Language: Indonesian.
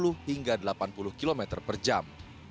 enam puluh hingga delapan puluh km per jam